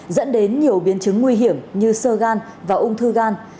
dẫn đến nhiều biến chứng nguy hiểm như sơ gan và ung thư gan